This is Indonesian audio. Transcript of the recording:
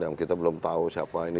yang kita belum tahu siapa ini